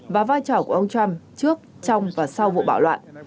và vai trò của ông trump trước trong và sau vụ bạo loạn